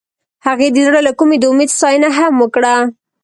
هغې د زړه له کومې د امید ستاینه هم وکړه.